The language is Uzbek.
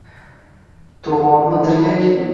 Toʼgʼonmi tirgak?